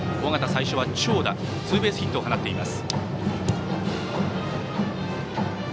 尾形、最初は長打ツーベースヒットを放っています。